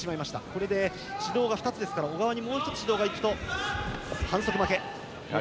これで指導２つなので小川にもう１つ指導が行くと反則負け。